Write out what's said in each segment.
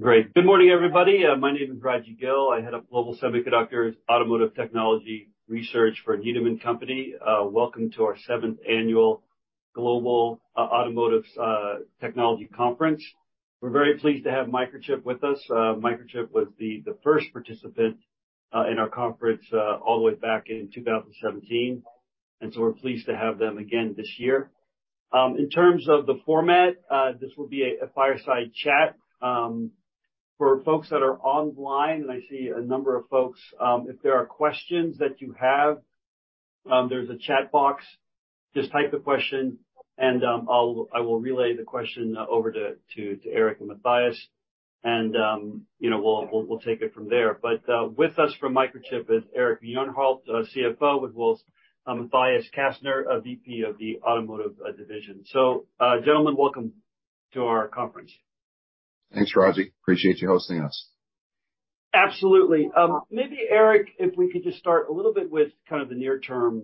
Great. Good morning, everybody. My name is Rajiv Gill. I head up Global Semiconductors Automotive Technology Research for Needham & Company. Welcome to our seventh Annual Global Automotive Technology Conference. We're very pleased to have Microchip with us. Microchip was the first participant in our conference all the way back in 2017, so we're pleased to have them again this year. In terms of the format, this will be a fireside chat. For folks that are online, and I see a number of folks, if there are questions that you have, there's a chat box. Just type the question, I will relay the question over to Eric and Matthias, you know, we'll take it from there. With us from Microchip is Eric Bjornholt, our CFO, as well as Matthias Kastner, a VP of the Automotive Division. Gentlemen, welcome to our conference. Thanks, Raji. Appreciate you hosting us. Absolutely. Maybe, Eric, if we could just start a little with kind of the near term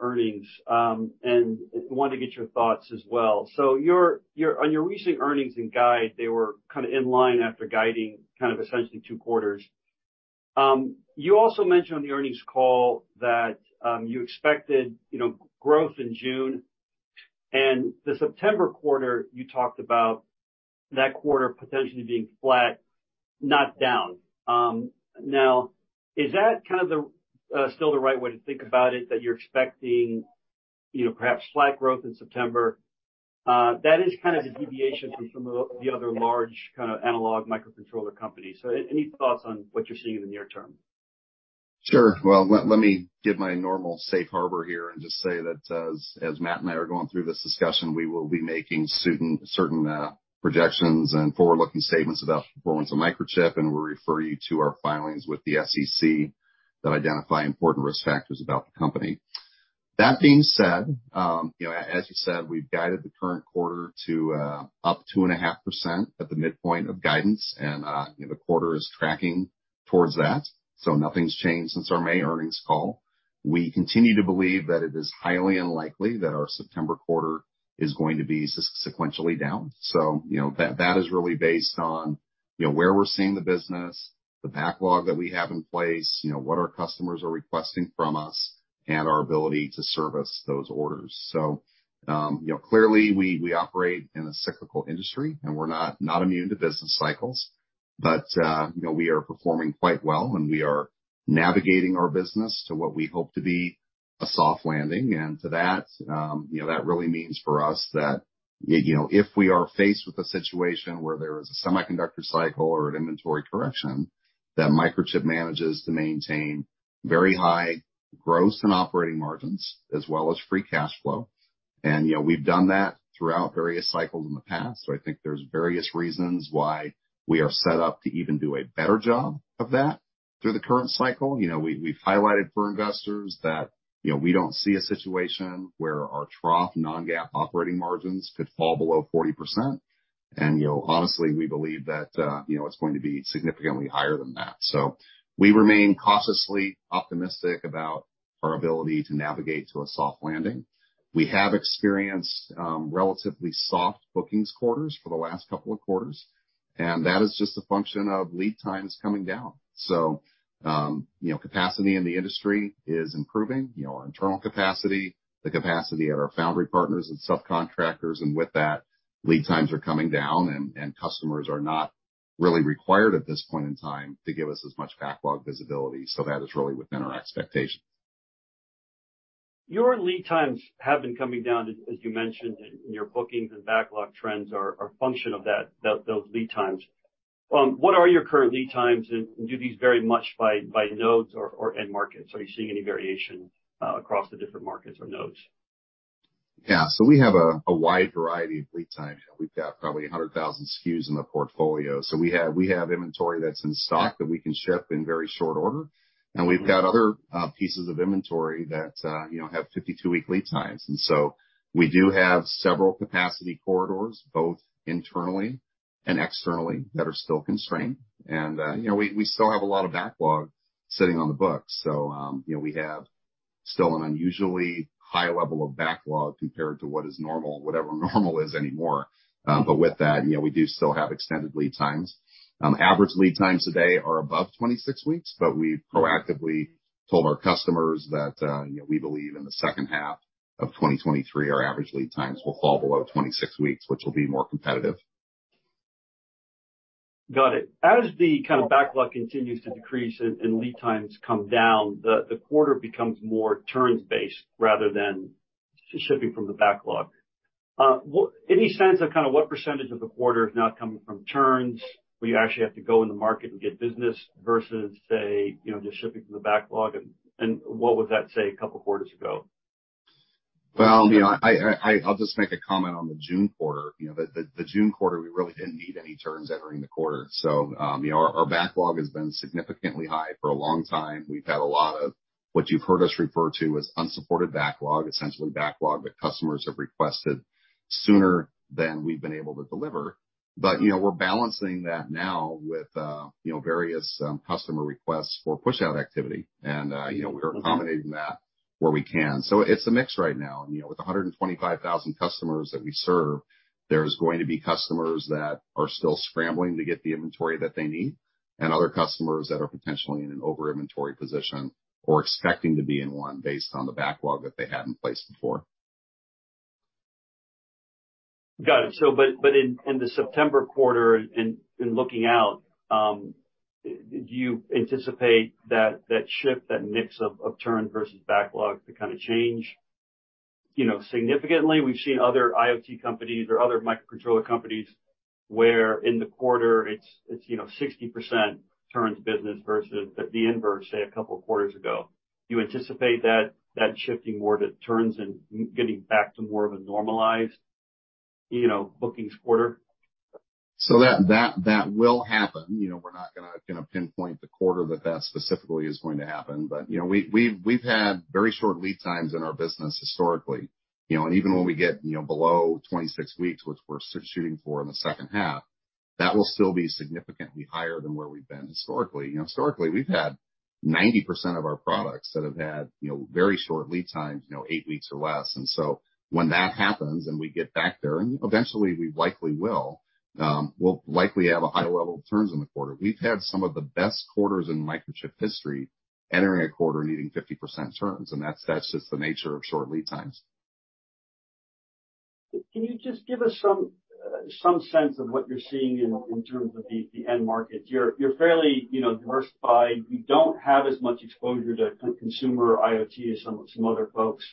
earnings, and want to get your thoughts as well. On your recent earnings and guide, they were kind of in line after guiding kind of essentially 2 quarters. You also mentioned on the earnings call that you expected, you know, growth in June, and the September quarter, you talked about that quarter potentially being flat, not down. Now, is that kind of the still the right way to think about it, that you're expecting, you know, perhaps flat growth in September? That is kind of a deviation from some of the other large, kind of, analog microcontroller companies. Any thoughts on what you're seeing in the near term? Sure. Well, let me give my normal safe harbor here and just say that as Matt and I are going through this discussion, we will be making certain projections and forward-looking statements about the performance of Microchip, and we refer you to our filings with the SEC that identify important risk factors about the company. That being said, you know, as you said, we've guided the current quarter to up 2.5% at the midpoint of guidance, and the quarter is tracking towards that. Nothing's changed since our May earnings call. We continue to believe that it is highly unlikely that our September quarter is going to be sequentially down. You know, that is really based on, you know, where we're seeing the business, the backlog that we have in place, you know, what our customers are requesting from us, and our ability to service those orders. You know, clearly, we operate in a cyclical industry, and we're not immune to business cycles, but, you know, we are performing quite well, and we are navigating our business to what we hope to be a soft landing. To that, you know, that really means for us that, you know, if we are faced with a situation where there is a semiconductor cycle or an inventory correction, that Microchip manages to maintain very high gross and operating margins, as well as free cash flow. You know, we've done that throughout various cycles in the past. I think there's various reasons why we are set up to even do a better job of that through the current cycle. You know, we've highlighted for investors that, you know, we don't see a situation where our trough non-GAAP operating margins could fall below 40%. Honestly, you know, we believe that, you know, it's going to be significantly higher than that. We remain cautiously optimistic about our ability to navigate to a soft landing. We have experienced relatively soft bookings quarters for the last couple of quarters, and that is just a function of lead times coming down. You know, capacity in the industry is improving, you know, our internal capacity, the capacity at our foundry partners and subcontractors, and with that, lead times are coming down, and customers are not really required at this point in time to give us as much backlog visibility. That is really within our expectations. Your lead times have been coming down, as you mentioned, and your bookings and backlog trends are a function of that, those lead times. What are your current lead times, and do these vary much by nodes or end markets? Are you seeing any variation across the different markets or nodes? We have a wide variety of lead times. We have probably 100,000 SKUs in the portfolio. We have inventory that's in stock that we can ship in very short order, and we have other pieces of inventory that, you know, have 52-week lead times. We do have several capacity corridors, both internally and externally, that are still constrained. You know, we still have a lot of backlog sitting on the books. You know, we have still an unusually high level of backlog compared to what is normal, whatever normal is anymore. With that, you know, we do still have extended lead times. Average lead times today are above 26 weeks, but we've proactively told our customers that, you know, we believe in the second half of 2023, our average lead times will fall below 26 weeks, which will be more competitive. Got it. As the kind of backlog continues to decrease and lead times come down, the quarter becomes more turns based rather than shipping from the backlog. What any sense of kind of what % of the quarter is now coming from turns, where you actually have to go in the market and get business versus say, you know, just shipping from the backlog? What would that say a couple of quarters ago? Well, you know, I'll just make a comment on the June quarter. You know, the June quarter, we really didn't need any turns during the quarter. You know, our backlog has been significantly high for a long time. We've had a lot of what you've heard us refer to as unsupported backlog, essentially backlog that customers have requested sooner than we've been able to deliver. You know, we're balancing that now with, you know, various customer requests for pushout activity. You know, we are accommodating that where we can. It's a mix right now, and, you know, with 125,000 customers that we serve, there's going to be customers that are still scrambling to get the inventory that they need, and other customers that are potentially in an over inventory position or expecting to be in one based on the backlog that they had in place before. Got it. In the September quarter, and looking out, do you anticipate that shift, that mix of turn versus backlog to kind of change, you know, significantly? We've seen other IoT companies or other microcontroller companies where in the quarter it's, you know, 60% turns business versus the inverse, say, a couple of quarters ago. Do you anticipate that shifting more to turns and getting back to more of a normalized, you know, bookings quarter? That will happen. You know, we're not gonna pinpoint the quarter that specifically is going to happen, but, you know, we've had very short lead times in our business historically. You know, even when we get, you know, below 26 weeks, which we're shooting for in the second half, that will still be significantly higher than where we've been historically. You know, historically, we've had 90% of our products that have had, you know, very short lead times, you know, 8 weeks or less. When that happens and we get back there, and eventually we likely will, we'll likely have a high level of turns in the quarter. We've had some of the best quarters in Microchip history, entering a quarter needing 50% turns, and that's just the nature of short lead times. Can you just give us some sense of what you're seeing in terms of the end markets? You're fairly, you know, diversified. You don't have as much exposure to consumer IoT as some other folks.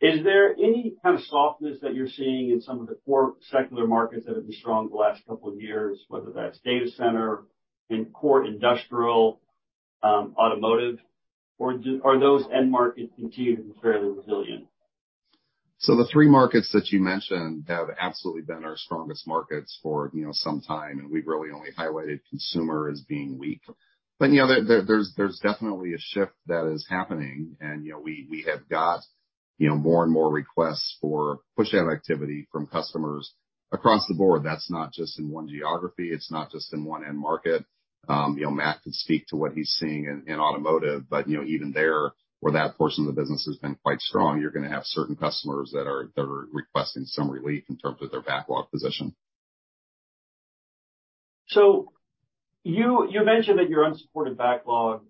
Is there any kind of softness that you're seeing in some of the core secular markets that have been strong the last couple of years, whether that's data center, in core industrial, automotive, or are those end markets continuing to be fairly resilient? The three markets that you mentioned have absolutely been our strongest markets for, you know, some time, and we've really only highlighted consumer as being weak. You know, there's definitely a shift that is happening, and, you know, we have got, you know, more and more requests for pushout activity from customers across the board. That's not just in one geography, it's not just in one end market. You know, Matt can speak to what he's seeing in automotive, but, you know, even there, where that portion of the business has been quite strong, you're gonna have certain customers that are requesting some relief in terms of their backlog position. You mentioned that your unsupported backlog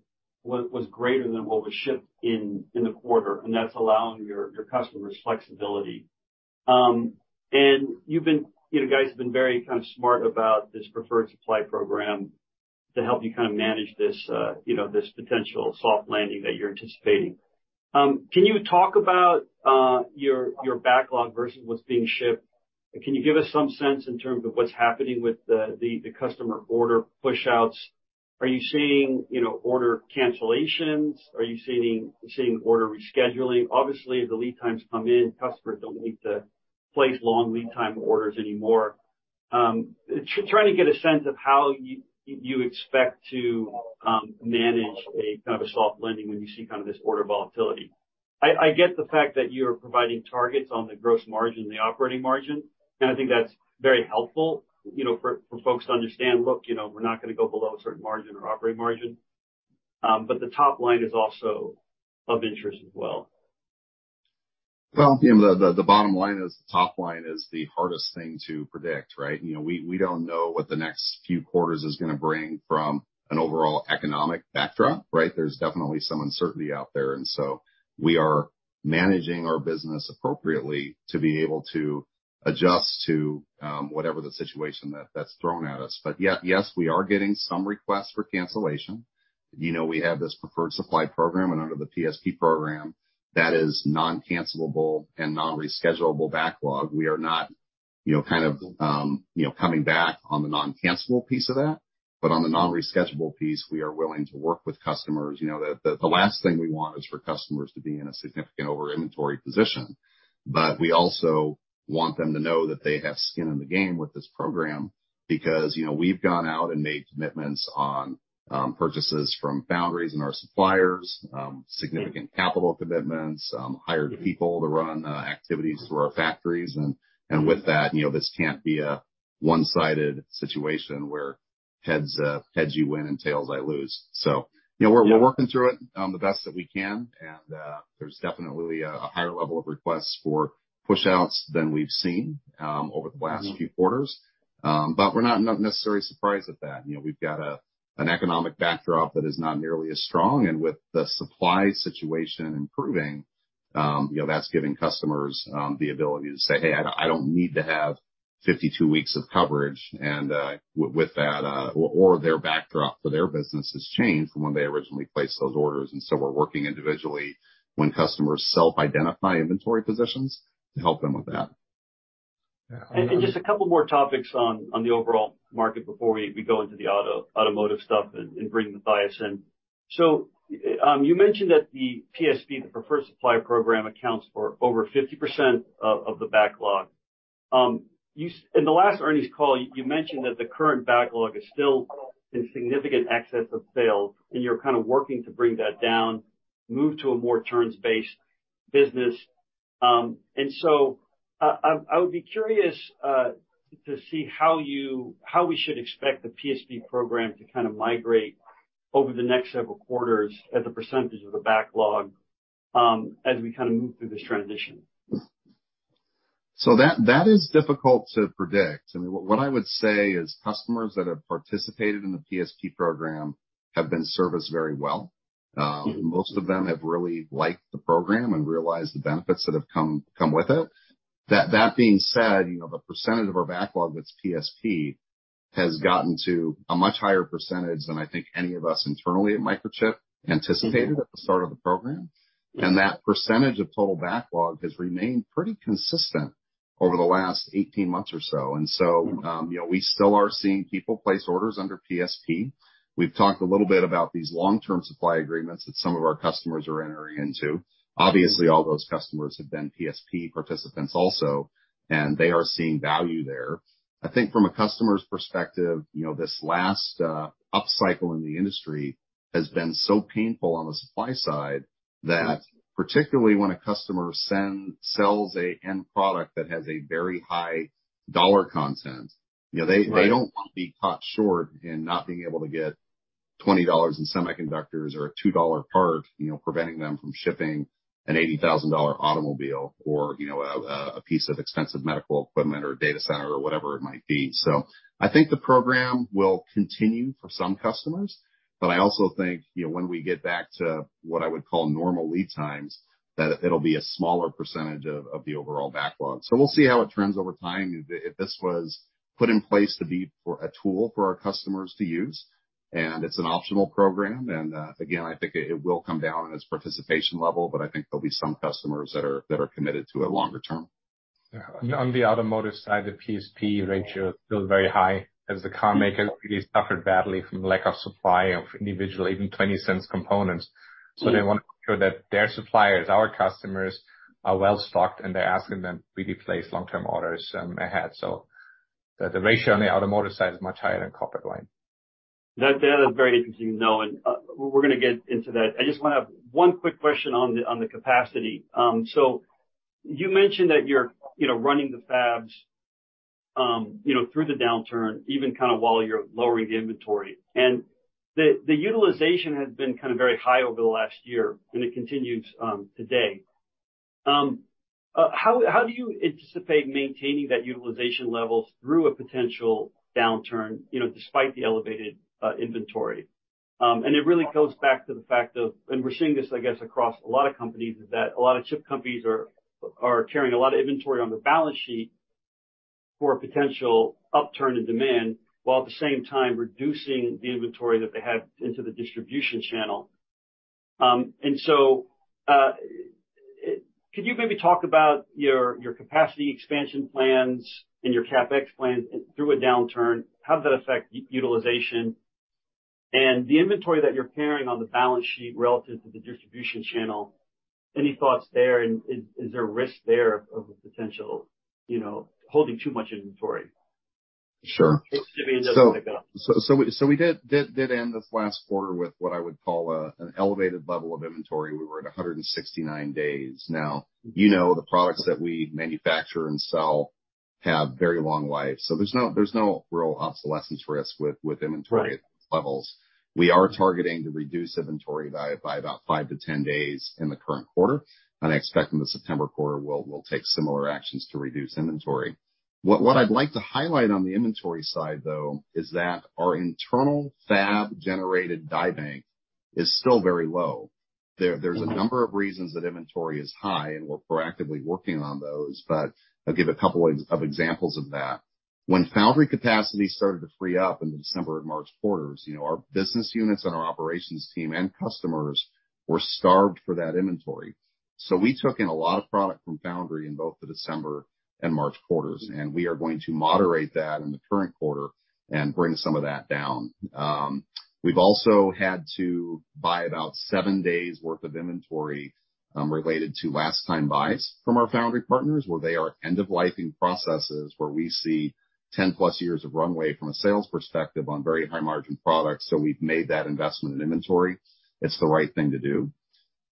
was greater than what was shipped in the quarter, and that's allowing your customers flexibility, and you've been... You know, guys have been very, kind of, smart about this Preferred Supply Program to help you kind of manage this, you know, this potential soft landing that you're anticipating. Can you talk about, your backlog versus what's being shipped? Can you give us some sense in terms of what's happening with the customer order pushouts? Are you seeing, you know, order cancellations? Are you seeing order rescheduling? Obviously, the lead times come in, customers don't need to place long lead time orders anymore. Trying to get a sense of how you expect to manage a, kind of, a soft landing when you see kind of this order volatility. I get the fact that you are providing targets on the gross margin and the operating margin. I think that's very helpful, you know, for folks to understand, look, you know, we're not gonna go below a certain margin or operating margin. The top line is also of interest as well. Well, you know, the bottom line is, the top line is the hardest thing to predict, right? You know, we don't know what the next few quarters is gonna bring from an overall economic backdrop, right? There's definitely some uncertainty out there. We are managing our business appropriately to be able to adjust to whatever the situation that's thrown at us. Yeah. Yes, we are getting some requests for cancellation. You know, we have this Preferred Supply Program, and under the PSP program, that is non-cancellable and non-reschedulable backlog. We are not, you know, kind of, you know, coming back on the non-cancellable piece of that, but on the non-reschedulable piece, we are willing to work with customers. You know, the last thing we want is for customers to be in a significant over inventory position, but we also want them to know that they have skin in the game with this program because, you know, we've gone out and made commitments on purchases from foundries and our suppliers, significant capital commitments, hired people to run activities through our factories. With that, you know, this can't be a one-sided situation where heads you win, and tails I lose. You know, we're working through it the best that we can, and there's definitely a higher level of requests for pushouts than we've seen over the last few quarters. We're not necessarily surprised at that. You know, we've got a, an economic backdrop that is not nearly as strong. With the supply situation improving, you know, that's giving customers the ability to say, "Hey, I don't, I don't need to have 52 weeks of coverage." With that, or their backdrop for their business has changed from when they originally placed those orders, we're working individually when customers self-identify inventory positions, to help them with that. Just a couple more topics on the overall market before we go into the automotive stuff and bring Matthias in. You mentioned that the PSP, the Preferred Supply Program, accounts for over 50% of the backlog. In the last earnings call, you mentioned that the current backlog is still in significant excess of sales, and you're kind of working to bring that down, move to a more turns-based business. I would be curious to see how you, how we should expect the PSP program to kind of migrate over the next several quarters as a percentage of the backlog as we kind of move through this transition? That is difficult to predict. I mean, what I would say is, customers that have participated in the PSP program have been serviced very well. Most of them have really liked the program and realized the benefits that have come with it. That being said, you know, the percentage of our backlog that's PSP, has gotten to a much higher percentage than I think any of us internally at Microchip anticipated at the start of the program. That percentage of total backlog has remained pretty consistent over the last 18 months or so, you know, we still are seeing people place orders under PSP. We've talked a little bit about these long-term supply agreements that some of our customers are entering into. Obviously, all those customers have been PSP participants also. They are seeing value there. I think from a customer's perspective, you know, this last upcycle in the industry has been so painful on the supply side, that particularly when a customer sells a end product that has a very high dollar content, you know, they don't want to be caught short in not being able to get $20 in semiconductors or a $2 part, you know, preventing them from shipping an $80,000 automobile or, you know, a piece of expensive medical equipment, or data center, or whatever it might be. I think the program will continue for some customers, but I also think, you know, when we get back to, what I would call normal lead times, that it'll be a smaller percentage of the overall backlog. We'll see how it trends over time. If this was put in place to be for a tool for our customers to use, and it's an optional program, and again, I think it will come down on its participation level, but I think there'll be some customers that are committed to it longer term. On the automotive side, the PSP ratio is still very high, as the carmakers really suffered badly from lack of supply of individual, even $0.20 components. They want to make sure that their suppliers, our customers, are well-stocked, and they're asking them to really place long-term orders ahead. The ratio on the automotive side is much higher than corporate line. That is very interesting to know. We're gonna get into that. I just want one quick question on the capacity. You mentioned that you're, you know, running the fabs, you know, through the downturn, even kind of while you're lowering the inventory, and the utilization has been kind of very high over the last year, and it continues today. How do you anticipate maintaining that utilization level through a potential downturn, you know, despite the elevated inventory? It really goes back to the fact of, and we're seeing this, I guess, across a lot of companies, is that a lot of chip companies are carrying a lot of inventory on their balance sheet for a potential upturn in demand, while at the same time reducing the inventory that they have into the distribution channel. Could you maybe talk about your capacity expansion plans and your CapEx plans through a downturn? How does that affect utilization? The inventory that you're carrying on the balance sheet relative to the distribution channel, any thoughts there, and is there risk there of a potential, you know, holding too much inventory? Sure. We did end this last quarter with what I would call an elevated level of inventory. We were at 169 days. Now, you know, the products that we manufacture and sell have very long lives, so there's no real obsolescence risk with inventory. Right levels. We are targeting to reduce inventory by about 5-10 days in the current quarter, and I expect in the September quarter, we'll take similar actions to reduce inventory. What I'd like to highlight on the inventory side, though, is that our internal fab-generated die bank is still very low. There's. Mm-hmm. A number of reasons that inventory is high, and we're proactively working on those. I'll give a couple of examples of that. When foundry capacity started to free up in the December and March quarters, you know, our business units, and our operations team, and customers, were starved for that inventory. We took in a lot of product from foundry in both the December and March quarters. We are going to moderate that in the current quarter and bring some of that down. We've also had to buy about seven days worth of inventory related to last time buys from our foundry partners, where they are end-of-life-ing processes, where we see 10+ years of runway from a sales perspective on very high margin products. We've made that investment in inventory. It's the right thing to do.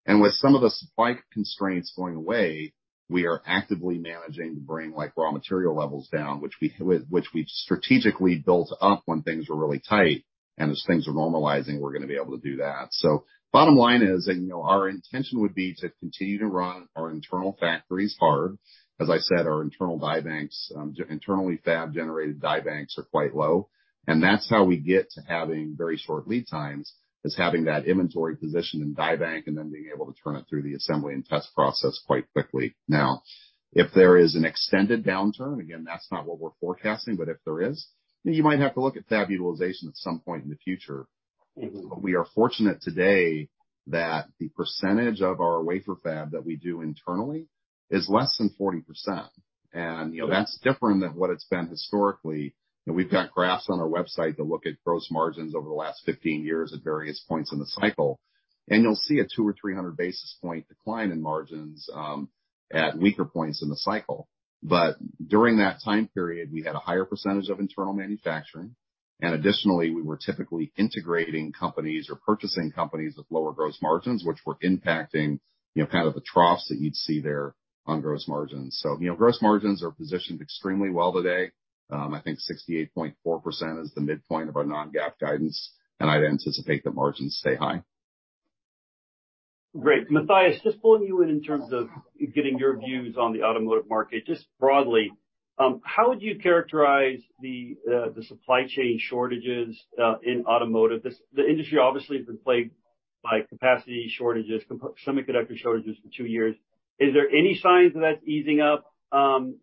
With some of the supply constraints going away, we are actively managing to bring, like, raw material levels down, which we've strategically built up when things were really tight, and as things are normalizing, we're going to be able to do that. Bottom line is, that, you know, our intention would be to continue to run our internal factories hard. As I said, our internal die banks, internally fab-generated die banks, are quite low, and that's how we get to having very short lead times, is having that inventory position in die bank, and then being able to turn it through the assembly and test process quite quickly. If there is an extended downturn, again, that's not what we're forecasting, but if there is, then you might have to look at fab utilization at some point in the future. Mm-hmm. We are fortunate today that the percentage of our wafer fab that we do internally is less than 40%, and, you know, that's different than what it's been historically. You know, we've got graphs on our website that look at gross margins over the last 15 years at various points in the cycle, and you'll see a 200-300 basis point decline in margins at weaker points in the cycle. During that time period, we had a higher percentage of internal manufacturing, and additionally, we were typically integrating companies or purchasing companies with lower gross margins, which were impacting, you know, kind of, the troughs that you'd see there on gross margins. You know, gross margins are positioned extremely well today. I think 68.4% is the midpoint of our non-GAAP guidance, and I'd anticipate that margins stay high. Great. Matthias, just pulling you in terms of getting your views on the automotive market. Just broadly, how would you characterize the supply chain shortages in automotive? The industry obviously has been plagued by capacity shortages, semiconductor shortages for 2 years. Is there any signs that that's easing up?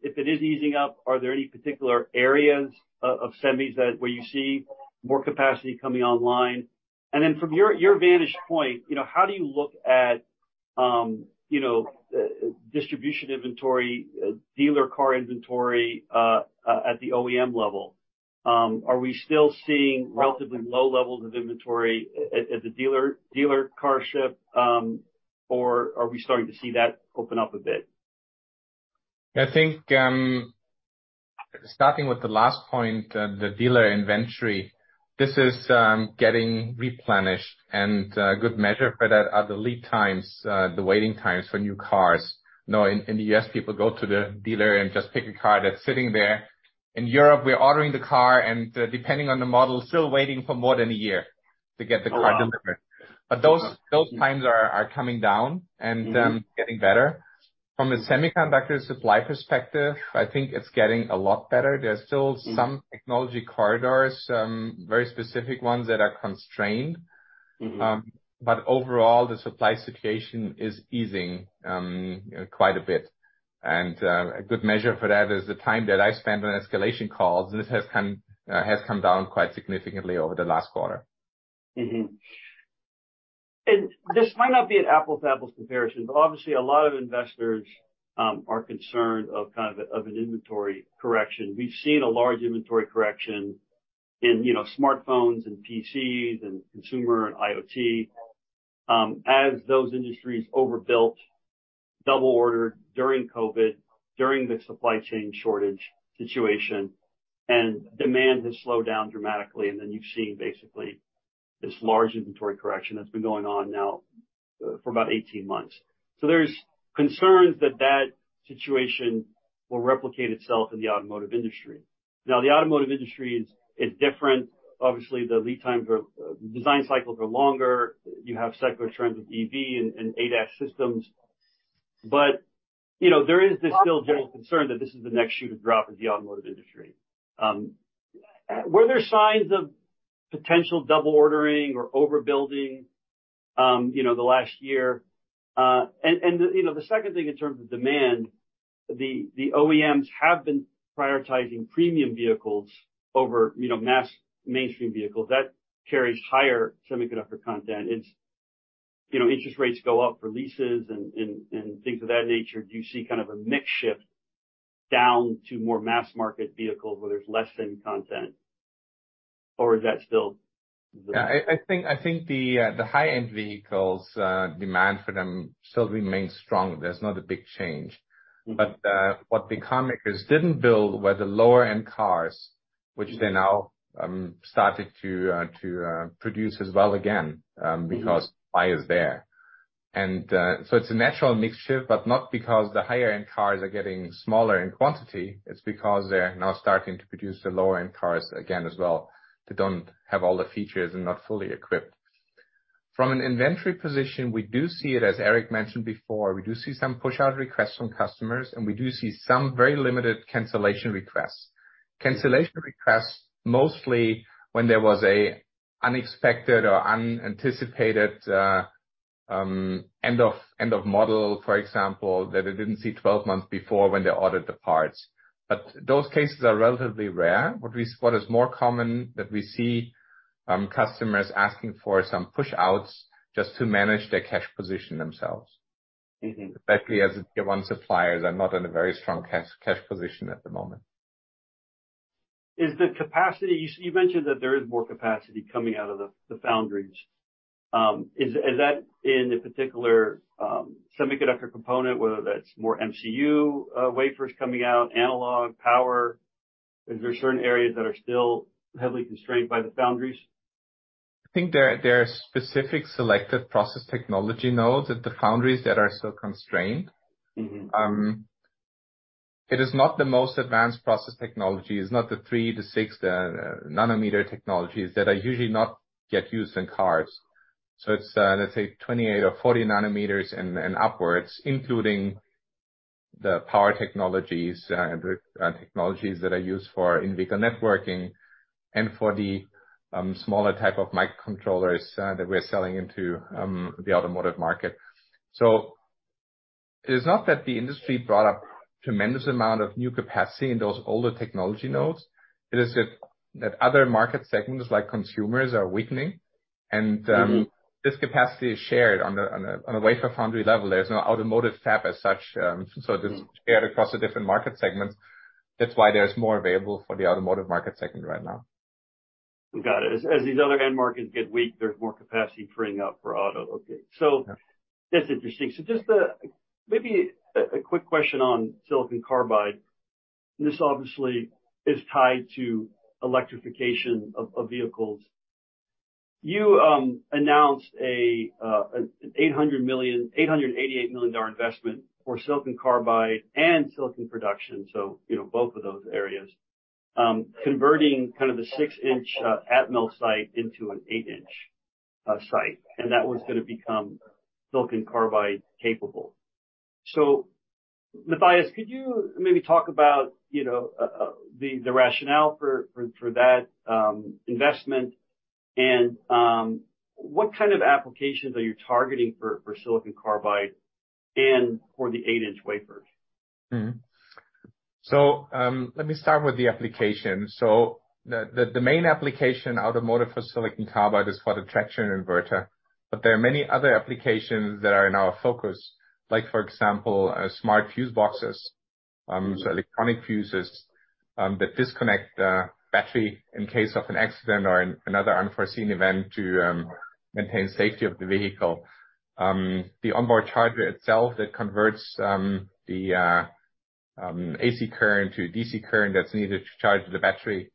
If it is easing up, are there any particular areas of semis that, where you see more capacity coming online? From your vantage point, you know, how do you look at, you know, distribution inventory, dealer car inventory, at the OEM level? Are we still seeing relatively low levels of inventory at the dealership, or are we starting to see that open up a bit? I think, starting with the last point, the dealer inventory, this is getting replenished. Good measure for that are the lead times, the waiting times for new cars. Now, in the U.S., people go to the dealer and just pick a car that's sitting there. In Europe, we're ordering the car, and depending on the model, still waiting for more than a year to get the car delivered. Wow! Those times are coming down and getting better. From a semiconductor supply perspective, I think it's getting a lot better. There are still some technology corridors, some very specific ones that are constrained. Mm-hmm. Overall, the supply situation is easing, quite a bit. A good measure for that is the time that I spend on escalation calls. This has come down quite significantly over the last quarter. This might not be an apples-to-apples comparison, but obviously, a lot of investors are concerned of, kind of an inventory correction. We've seen a large inventory correction in, you know, smartphones and PCs and consumer and IoT. As those industries overbuilt, double ordered during COVID, during the supply chain shortage situation, and demand has slowed down dramatically, and then you've seen basically this large inventory correction that's been going on now for about 18 months. There's concerns that that situation will replicate itself in the automotive industry. The automotive industry is different. Obviously, the lead times are design cycles are longer. You have secular trends of EV and ADAS systems, but, you know, there is this still general concern that this is the next shoe to drop in the automotive industry. Were there signs of potential double ordering or overbuilding, you know, the last year? You know, the second thing, in terms of demand, the OEMs have been prioritizing premium vehicles over, you know, mass mainstream vehicles. That carries higher semiconductor content. It's, you know, interest rates go up for leases and things of that nature. Do you see kind of a mix shift down to more mass market vehicles where there's less than content, or is that still the- I think the high-end vehicles demand for them still remains strong. There's not a big change. What the car makers didn't build were the lower end cars, which they now started to produce as well again because buy is there. So it's a natural mix shift, but not because the higher end cars are getting smaller in quantity. It's because they're now starting to produce the lower end cars again as well. They don't have all the features and not fully equipped. From an inventory position, we do see it, as Eric mentioned before, we do see some push-out requests from customers, and we do see some very limited cancellation requests. Cancellation requests, mostly when there was a unexpected or unanticipated end of model, for example, that they didn't see 12 months before when they ordered the parts. Those cases are relatively rare. What is more common, that we see, customers asking for some push-outs just to manage their cash position themselves. [inaudible] as tier one suppliers are not in a very strong cash position at the moment. Is the capacity, you mentioned that there is more capacity coming out of the foundries. Is that in a particular semiconductor component, whether that's more MCU wafers coming out, analog, power? Is there certain areas that are still heavily constrained by the foundries? I think there are specific selective process technology nodes at the foundries that are still constrained, it is not the most advanced process technology. It's not the three, the six, the nanometer technologies that are usually not get used in cars. It's, let's say, 28 or 40 nanometers and upwards, including the power technologies, and technologies that are used for in-vehicle networking and for the smaller type of microcontrollers that we're selling into the automotive market. It's not that the industry brought up tremendous amount of new capacity in those older technology nodes. It is that other market segments, like consumers, are weakening, and this capacity is shared on a wafer foundry level. There's no automotive tab as such. It is shared across the different market segments. That's why there's more available for the automotive market segment right now. Got it. As these other end markets get weak, there's more capacity freeing up for auto. That's interesting. Just maybe a quick question on silicon carbide, and this obviously is tied to electrification of vehicles. You announced a $888 million investment for silicon carbide and silicon production. You know, both of those areas, converting kind of the 6-inch at mill site into an 8-inch site, and that was gonna become silicon carbide capable. Matthias, could you maybe talk about, you know, the rationale for that investment? And what kind of applications are you targeting for silicon carbide and for the 8-inch wafers? Let me start with the application. The main application automotive for silicon carbide is for the traction inverter, but there are many other applications that are in our focus, like for example, smart fuse boxes, so electronic fuses, that disconnect battery in case of an accident or another unforeseen event to maintain safety of the vehicle. The onboard charger itself that converts the AC current to DC current that's needed to charge the battery.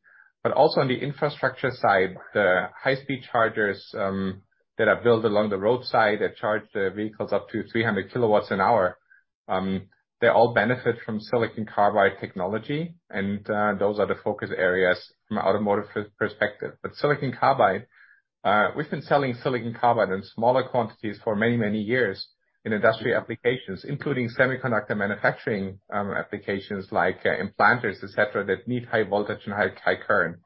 Also on the infrastructure side, the high-speed chargers, that are built along the roadside, that charge the vehicles up to 300 kilowatts an hour, they all benefit from silicon carbide technology, and those are the focus areas from an automotive perspective. Silicon carbide, we've been selling silicon carbide in smaller quantities for many, many years in industrial applications, including semiconductor manufacturing, applications like implanters, et cetera, that need high voltage and high current.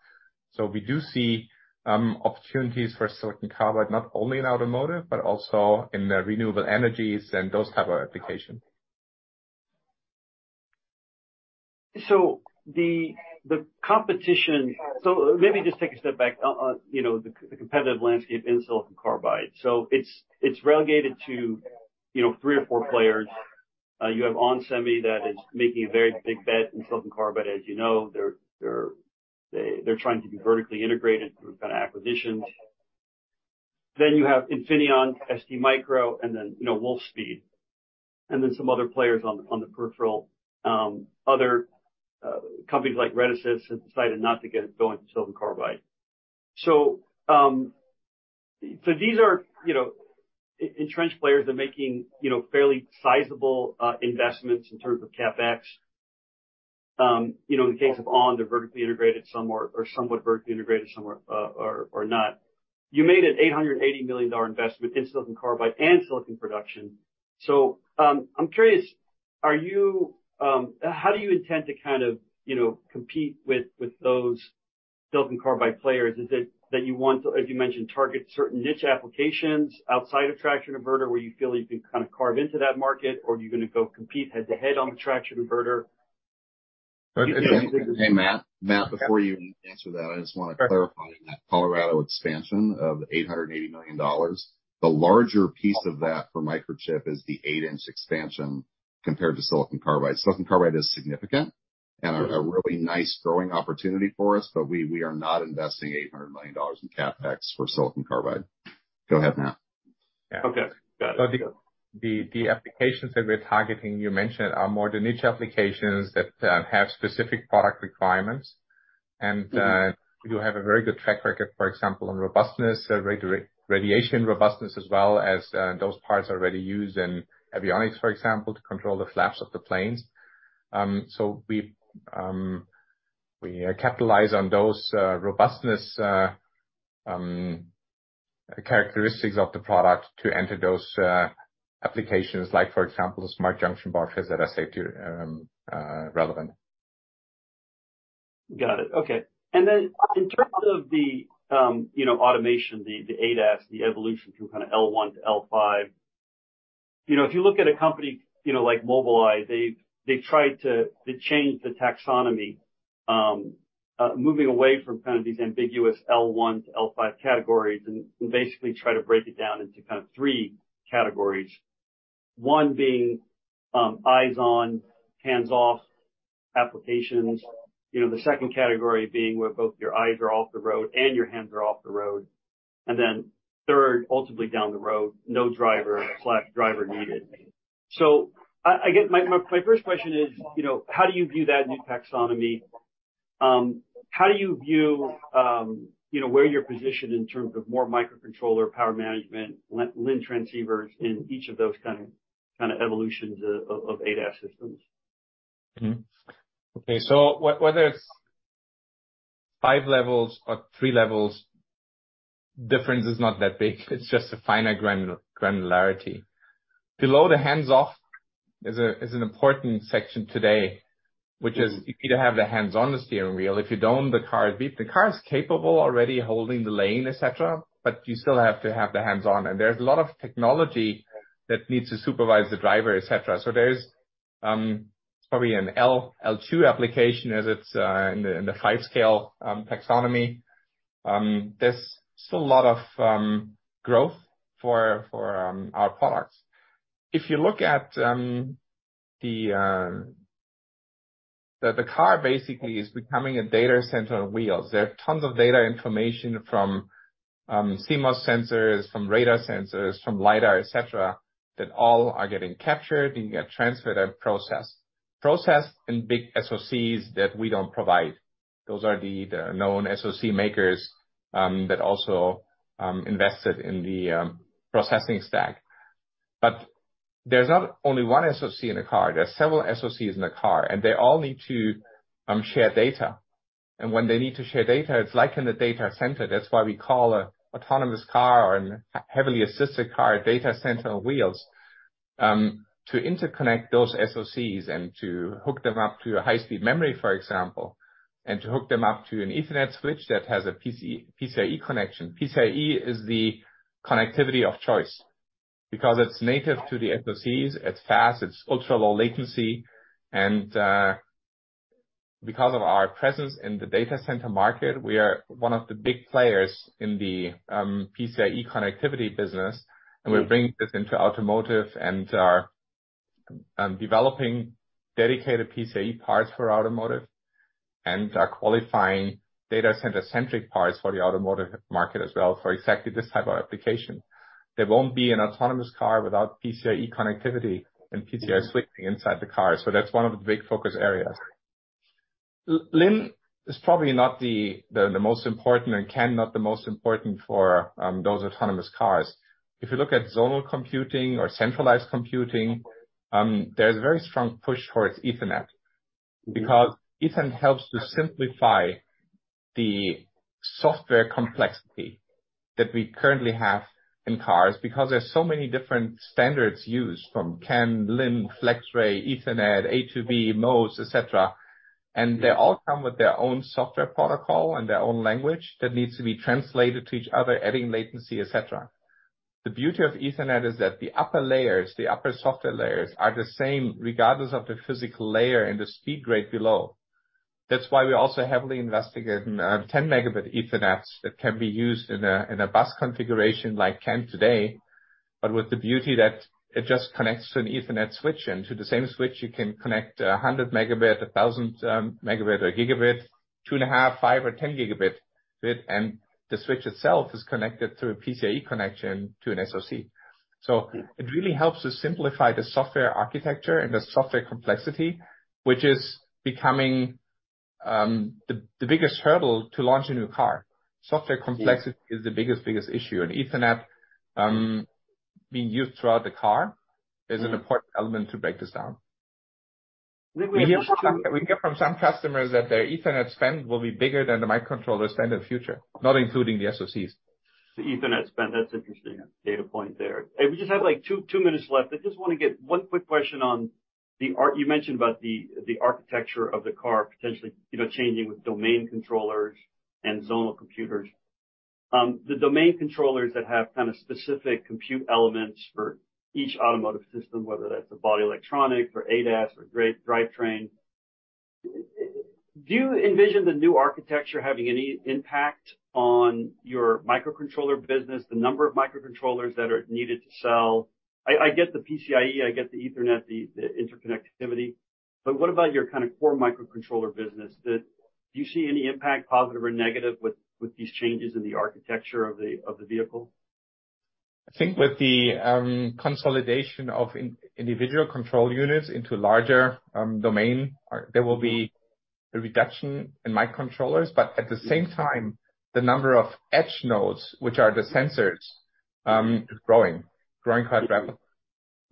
We do see opportunities for silicon carbide, not only in automotive but also in the renewable energies and those type of applications. The competitive landscape in silicon carbide. It's relegated to, you know, three or four players. You have onsemi that is making a very big bet in silicon carbide. As you know, they're trying to be vertically integrated through kind of acquisitions. You have Infineon, STMicro, and then, you know, Wolfspeed, and then some other players on the peripheral. Other companies like Renesas have decided not to get going to silicon carbide. These are, you know, entrenched players that are making, you know, fairly sizable investments in terms of CapEx. You know, in the case of onsemi, they're vertically integrated somewhat vertically integrated, somewhat, or not. You made an $880 million investment in silicon carbide and silicon production. I'm curious, How do you intend to kind of, you know, compete with those silicon carbide players? Is it that you want to, as you mentioned, target certain niche applications outside of traction inverter, where you feel you can kind of carve into that market? Or are you gonna go compete head-to-head on the traction inverter? Hey, Matt. Matt, before you answer that, I just want to clarify. In that Colorado expansion of $880 million, the larger piece of that for Microchip is the 8-inch expansion compared to silicon carbide. Silicon carbide is significant and a really nice growing opportunity for us, we are not investing $800 million in CapEx for silicon carbide. Go ahead, Matt. Okay, got it. The applications that we're targeting, you mentioned, are more the niche applications that have specific product requirements. Mm-hmm. We do have a very good track record, for example, on robustness, radiation robustness, as well as those parts already used in avionics, for example, to control the flaps of the planes. We capitalize on those robustness characteristics of the product to enter those applications, like, for example, the smart junction boxes that are safety relevant. Got it. Okay. In terms of the, you know, automation, the ADAS, the evolution from kind of L1 to L5, you know, if you look at a company, you know, like Mobileye, they've tried to change the taxonomy, moving away from kind of these ambiguous L1 to L5 categories and basically try to break it down into kind of 3 categories. 1 being, eyes on, hands off applications. You know, the 2nd category being where both your eyes are off the road and your hands are off the road. Then 3rd, ultimately down the road, no driver/driver needed. I guess my 1st question is, you know, how do you view that new taxonomy? How do you view, you know, where you're positioned in terms of more microcontroller power management, LIN transceivers in each of those kind of evolutions of ADAS systems? Okay. Whether it's five levels or three levels, difference is not that big. It's just a finer granularity. Below the hands-off is an important section today, which is you need to have the hands on the steering wheel. If you don't, the car beeps. The car is capable already holding the lane, et cetera, but you still have to have the hands on, and there's a lot of technology that needs to supervise the driver, et cetera. There's probably an L2 application, as it's in the five scale taxonomy. There's still a lot of growth for our products. If you look at the car basically is becoming a data center on wheels. There are tons of data information from CMOS sensors, from radar sensors, from LiDAR, et cetera, that all are getting captured, being transferred and processed. Processed in big SoCs that we don't provide. Those are the known SoC makers that also invested in the processing stack. There's not only one SoC in a car, there are several SoCs in a car, and they all need to share data. When they need to share data, it's like in the data center. That's why we call a autonomous car or an heavily assisted car, a data center on wheels. To interconnect those SoCs and to hook them up to a high-speed memory, for example, and to hook them up to an Ethernet switch that has a PCIe connection. PCIe is the connectivity of choice because it's native to the SoCs, it's fast, it's ultra-low latency. Because of our presence in the data center market, we are one of the big players in the PCIe connectivity business, and we're bringing this into automotive and are developing dedicated PCIe parts for automotive, and are qualifying data center-centric parts for the automotive market as well, for exactly this type of application. There won't be an autonomous car without PCIe connectivity and PCIe switching inside the car. That's one of the big focus areas. LIN is probably not the most important, and cannot the most important for those autonomous cars. If you look at zonal computing or centralized computing, there's a very strong push towards Ethernet, because Ethernet helps to simplify the software complexity that we currently have in cars, because there's so many different standards used, from CAN, LIN, FlexRay, Ethernet, A2B, MOST, et cetera. They all come with their own software protocol and their own language that needs to be translated to each other, adding latency, et cetera. The beauty of Ethernet is that the upper layers, the upper software layers, are the same, regardless of the physical layer and the speed grade below. That's why we're also heavily investigating, 10-megabit Ethernet that can be used in a, in a bus configuration like CAN today, but with the beauty that it just connects to an Ethernet switch. To the same switch, you can connect 100 megabit, 1,000 megabit or gigabit, 2.5 or 10 gigabit, and the switch itself is connected through a PCIe connection to an SoC. It really helps us simplify the software architecture and the software complexity, which is becoming the biggest hurdle to launch a new car. Software complexity is the biggest issue, and Ethernet being used throughout the car is an important element to break this down. We hear from some customers that their Ethernet spend will be bigger than the microcontroller spend in the future, not including the SoCs. The Ethernet spend, that's interesting data point there. We just have, like, 2 minutes left. I just want to get one quick question on the You mentioned about the architecture of the car potentially, you know, changing with domain controllers and zonal computers. The domain controllers that have kind of specific compute elements for each automotive system, whether that's a body electronic or ADAS or drivetrain. Do you envision the new architecture having any impact on your microcontroller business, the number of microcontrollers that are needed to sell? I get the PCIe, I get the Ethernet, the interconnectivity, what about your kind of core microcontroller business? Do you see any impact, positive or negative, with these changes in the architecture of the vehicle? I think with the consolidation of individual control units into larger domain, there will be a reduction in microcontrollers. At the same time, the number of edge nodes, which are the sensors, is growing quite rapidly.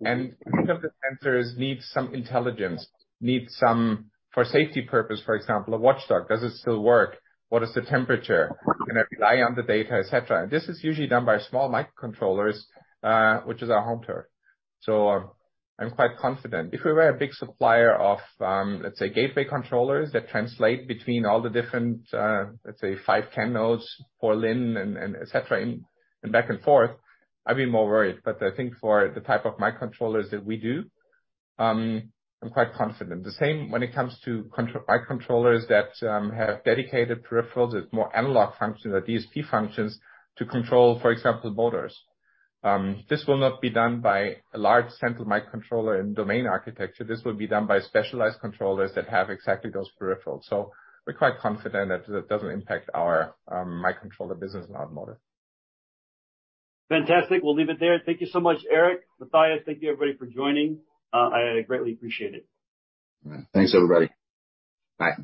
Some of the sensors need some intelligence, need some. For safety purpose, for example, a watchdog. Does it still work? What is the temperature? Can I rely on the data, et cetera. This is usually done by small microcontrollers, which is our home turf. I'm quite confident. If we were a big supplier of, let's say, gateway controllers that translate between all the different, let's say, five CAN nodes for LIN and et cetera, and back and forth, I'd be more worried. I think for the type of microcontrollers that we do, I'm quite confident. The same when it comes to microcontrollers that have dedicated peripherals with more analog functions or DSP functions to control, for example, motors. This will not be done by a large central microcontroller in domain architecture. This will be done by specialized controllers that have exactly those peripherals. We're quite confident that it doesn't impact our microcontroller business in automotive. Fantastic. We'll leave it there. Thank you so much, Eric, Matthias. Thank you, everybody, for joining. I greatly appreciate it. All right. Thanks, everybody. Bye.